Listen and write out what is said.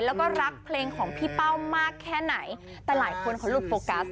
แล้วก็รักเพลงของพี่เป้ามากแค่ไหนแต่หลายคนเขาหลุดโฟกัส